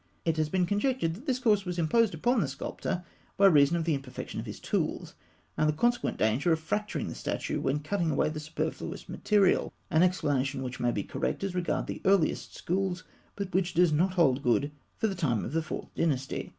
It has been conjectured that this course was imposed upon the sculptor by reason of the imperfection of his tools, and the consequent danger of fracturing the statue when cutting away the superfluous material an explanation which may be correct as regards the earliest schools, but which does not hold good for the time of the Fourth Dynasty.